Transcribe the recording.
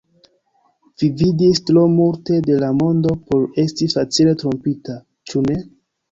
Vi vidis tro multe de la mondo por esti facile trompita; ĉu ne?